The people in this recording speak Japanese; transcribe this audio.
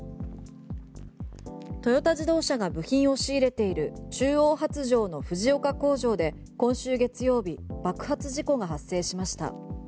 トヨタ自動車が部品を仕入れている中央発條の藤岡工場で今週月曜日爆発事故が発生しました。